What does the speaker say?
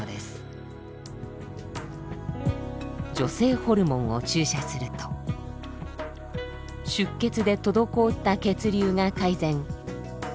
女性ホルモンを注射すると出血で滞った血流が改善低下した血圧も上昇。